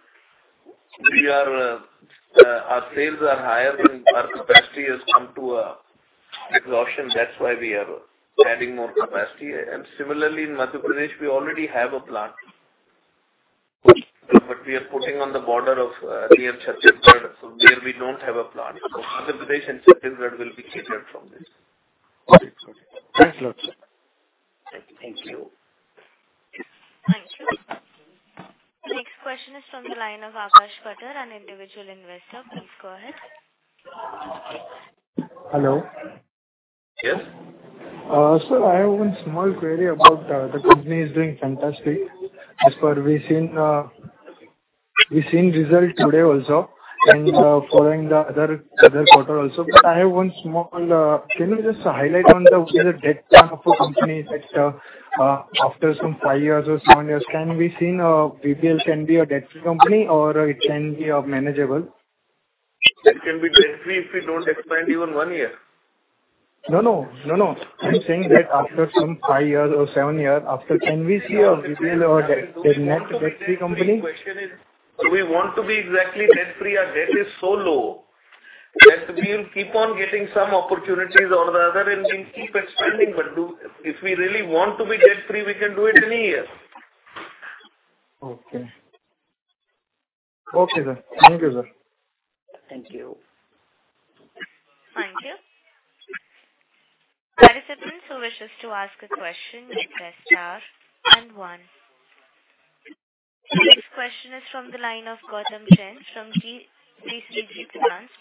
our sales are higher and our capacity has come to exhaustion. That's why we are adding more capacity. Similarly, in Madhya Pradesh, we already have a plant. We are putting on the border near Chhattisgarh, so there we don't have a plant. Madhya Pradesh and Chhattisgarh will be catered from this. Okay. Got it. Thanks a lot, sir. Thank you. Thank you. The next question is from the line of Akash Patel, an individual investor. Please go ahead. Hello. Yes. Sir, I have one small query about the company. The company is doing fantastic. As per we seen result today also and following the other quarter also. Can you just highlight on the debt plan of a company that after some five years or seven years, can we see VBL can be a debt-free company or it can be manageable? It can be debt-free if we don't expand even one year. No, no. I'm saying that after some five years or seven years after, can we see a pure-play low-debt, net debt-free company? Do we want to be debt-free? The question is do we want to be exactly debt-free? Our debt is so low. Yes, we'll keep on getting some opportunities or the other, and we'll keep expanding. If we really want to be debt-free, we can do it any year. Okay. Okay, sir. Thank you, sir. Thank you. Thank you. Participants who wishes to ask a question, press star and one. The next question is from the line of Gautam Jain from GCL Securities.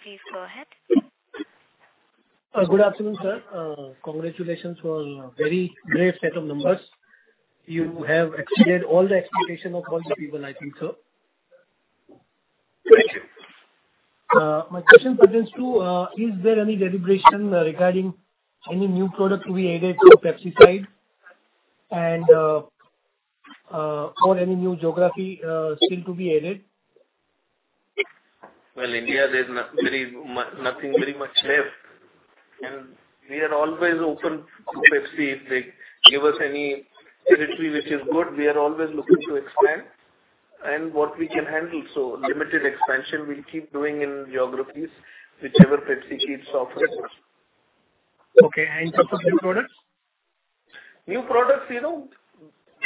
Please go ahead. Good afternoon, sir. Congratulations for very great set of numbers. You have exceeded all the expectation of all the people, I think so. Thank you. My question pertains to, is there any deliberation regarding any new product to be added to the Pepsi side and or any new geography still to be added? Well, India, there's nothing very much left. We are always open to Pepsi. If they give us any territory which is good, we are always looking to expand and what we can handle. Limited expansion we'll keep doing in geographies, whichever Pepsi keeps offering us. Okay, in terms of new products? New products, you know,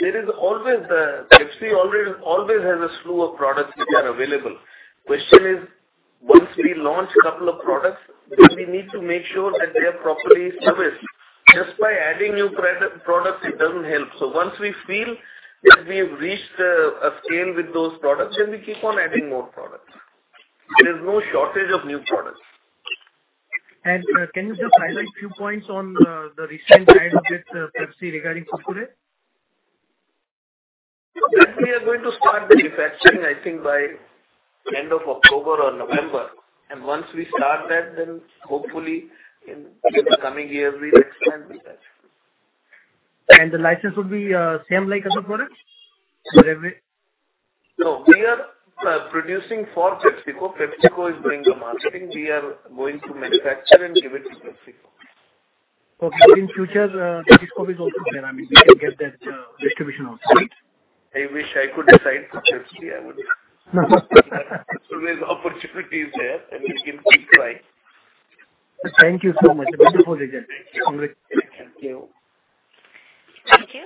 there is always Pepsi already always has a slew of products which are available. Question is, once we launch a couple of products, then we need to make sure that they are properly serviced. Just by adding new products, it doesn't help. Once we feel that we have reached a scale with those products, then we keep on adding more products. There is no shortage of new products. Can you just highlight few points on the recent tie-up with Pepsi regarding Kurkure? That we are going to start the manufacturing, I think by end of October or November. Once we start that, then hopefully in the coming year, we will expand with that. The license would be same like other products? No, we are producing for PepsiCo. PepsiCo is doing the marketing. We are going to manufacture and give it to PepsiCo. Okay. In future, PepsiCo is also there. I mean, we can get that, distribution also, right? I wish I could decide for Pepsi. There's opportunities there, and we can keep trying. Thank you so much. Wonderful results. Congratulations. Thank you. Thank you.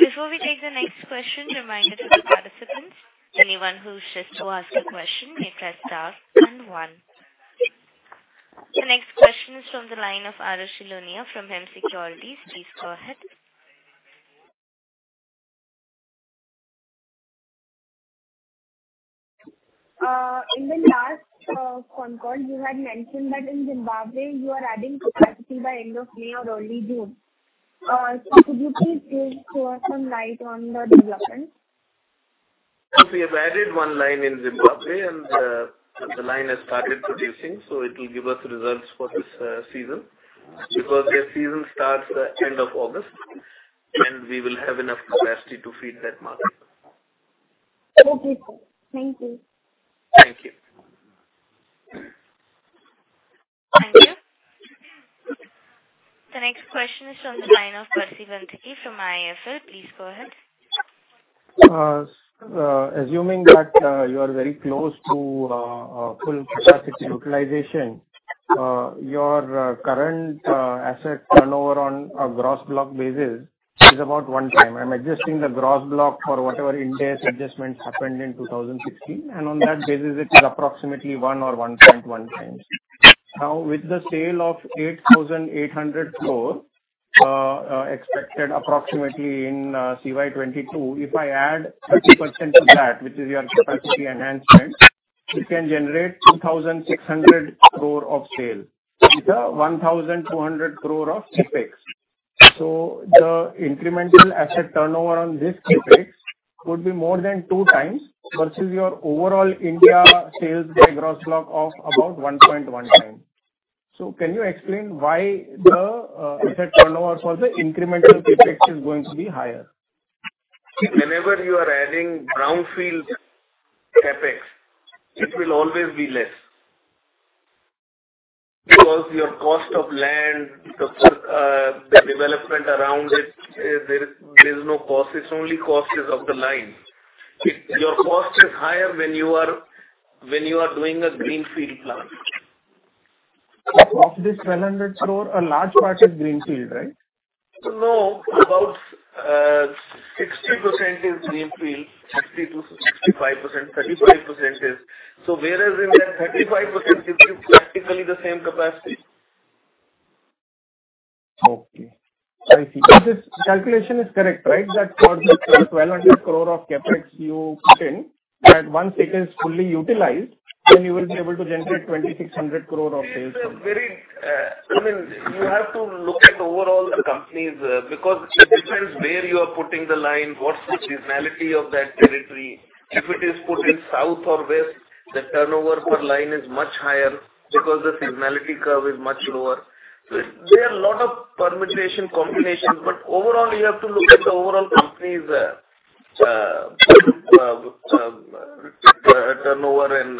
Before we take the next question, reminder to the participants, anyone who wishes to ask a question, press star and one. The next question is from the line of Aarushi Lunia from Hem Securities. Please go ahead. In the last concall, you had mentioned that in Zimbabwe, you are adding capacity by end of May or early June. Could you please throw some light on the development? We have added one line in Zimbabwe, and the line has started producing, so it will give us results for this season. Because their season starts at end of August, and we will have enough capacity to feed that market. Okay, sir. Thank you. Thank you. Thank you. The next question is from the line of Percy Panthaki from IIFL. Please go ahead. Assuming that you are very close to full capacity utilization, your current asset turnover on a gross block basis is about 1x. I'm adjusting the gross block for whatever index adjustments happened in 2016, and on that basis it is approximately 1 or 1.1x. Now, with the sales of 8,800 crore expected approximately in CY 2022, if I add 30% to that, which is your capacity enhancement, it can generate 2,600 crore of sales with 1,200 crore of CapEx. The incremental asset turnover on this CapEx would be more than 2x versus your overall India sales by gross block of about 1.1x. Can you explain why the asset turnovers for the incremental CapEx is going to be higher? Whenever you are adding brownfield CapEx, it will always be less. Because your cost of land, the development around it, there is no cost. It's only cost is of the line. Your cost is higher when you are doing a greenfield plant. Of this 1,200 crore, a large part is greenfield, right? No. About 60% is greenfield, 60%-65%, 35% is. Whereas in that 35%, it is practically the same capacity. Okay. I see. This calculation is correct, right? That for the 1,200 crore of CapEx you put in, that once it is fully utilized, then you will be able to generate 2,600 crore of sales from that. It's a very, I mean, you have to look at the overall company's, because it depends where you are putting the line, what's the seasonality of that territory. If it is put in South or West, the turnover per line is much higher because the seasonality curve is much lower. There are a lot of permutations and combinations, but overall you have to look at the overall company's turnover and,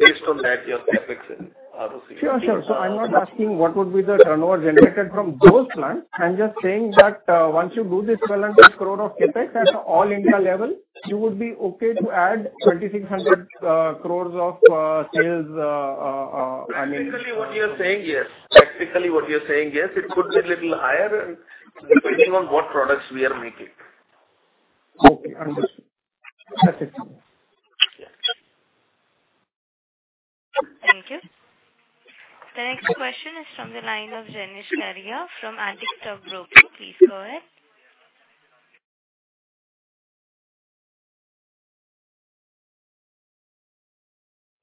based on that, your CapEx and ROCE. Sure, sure. I'm not asking what would be the turnover generated from those plants. I'm just saying that, once you do this 1,200 crore of CapEx at all India level, you would be okay to add 2,600 crores of, I mean. Technically what you're saying, yes. It could be a little higher, depending on what products we are making. Okay, understood. That's it. Yes. Thank you. The next question is from the line of Jenish Karia from Antique Stock Broking. Please go ahead.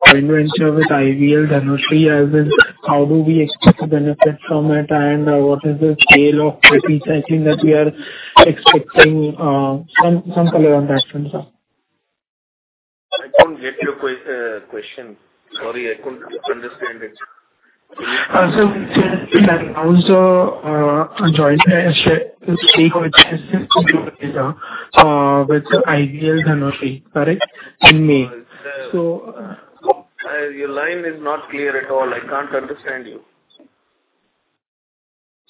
Joint venture with IVL Dhunseri, as in how do we expect the benefits from it and what is the scale of PET recycling that we are expecting, some color on that front, sir? I don't get your question. Sorry, I couldn't understand it. It allows a joint venture stake which has been completed with IVL Dhunseri, correct? In May. Your line is not clear at all. I can't understand you.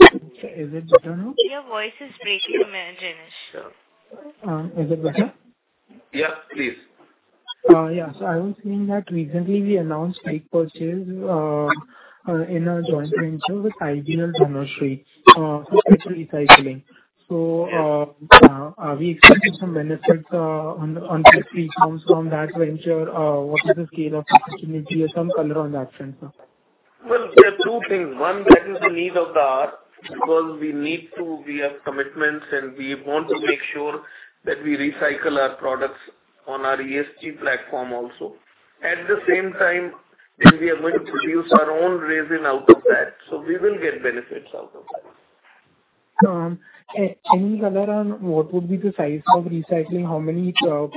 Is it better now? Your voice is breaking, Jenish. Is it better? Yeah, please. Yeah. I was saying that recently we announced plant purchase in a joint venture with IVL Dhunseri for PET recycling. Are we expecting some benefits on PET preforms from that venture? What is the scale of PET preforms? Some color on that front, sir. Well, there are two things. One, that is the need of the hour because we need to. We have commitments, and we want to make sure that we recycle our products on our ESG platform also. At the same time, we are going to produce our own resin out of that, so we will get benefits out of that. Any color on what would be the size of recycling? How many PET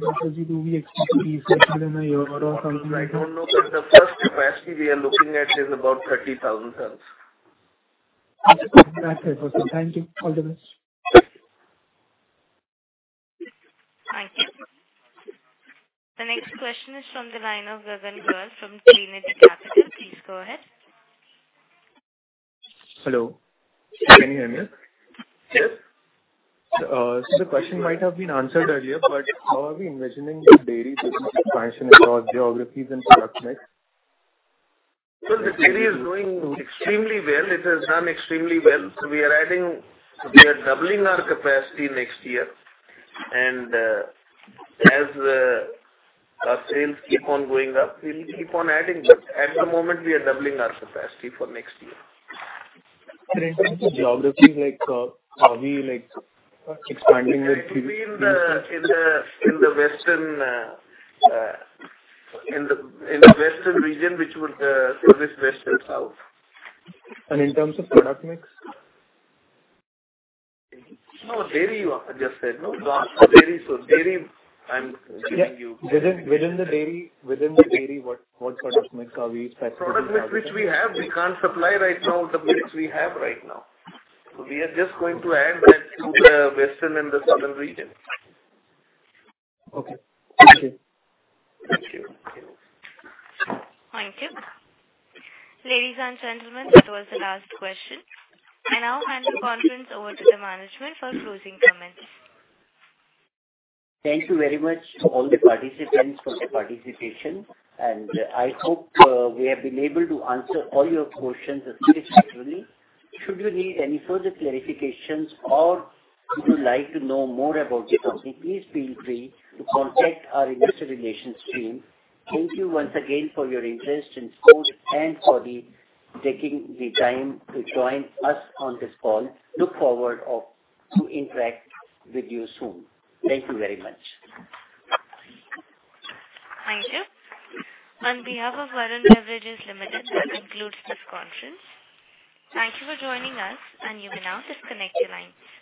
bottles do we expect to recycle in a year or something like that? I don't know. The first capacity we are looking at is about 30,000 tons. Okay. That's it. Okay. Thank you. All the best. Thank you. The next question is from the line of Gagan Goyal from Trinity Capital. Please go ahead. Hello. Can you hear me? Yes. The question might have been answered earlier, but how are we envisioning the dairy business expansion across geographies and product mix? Well, the dairy is doing extremely well. It has done extremely well. We are adding, we are doubling our capacity next year. As our sales keep on going up, we'll keep on adding. At the moment we are doubling our capacity for next year. In terms of geographies, like, are we, like, expanding? It will be in the western region, which would service western south. In terms of product mix? No, dairy, you. I just said no? Dairy. Dairy, I'm telling you. Within the dairy, what product mix are we expecting? Product mix which we have, we can't supply right now the mix we have right now. We are just going to add that to the western and the southern region. Okay. Thank you. Thank you. Thank you. Ladies and gentlemen, that was the last question. I now hand the conference over to the management for closing comments. Thank you very much all the participants for their participation. I hope we have been able to answer all your questions as clearly as possible. Should you need any further clarifications or you would like to know more about the company, please feel free to contact our investor relations team. Thank you once again for your interest in Varun Beverages and for taking the time to join us on this call. Look forward to interact with you soon. Thank you very much. Thank you. On behalf of Varun Beverages Limited, that concludes this conference. Thank you for joining us, and you can now disconnect your lines.